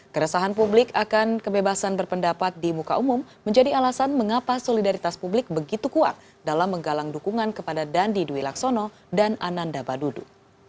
keresahan publik akan kebebasan berpendapat di muka umum menjadi alasan mengapa solidaritas publik begitu kuat dalam menggalang dukungan kepada dandi dwi laksono dan ananda badudu